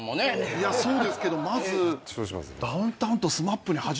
いやそうですけどまず。